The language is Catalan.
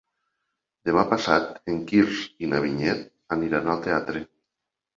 Demà passat en Quirze i na Vinyet aniran al teatre.